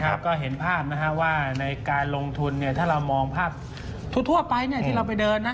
ก็เห็นภาพนะครับว่าในการลงทุนถ้าเรามองภาพทั่วไปที่เราไปเดิน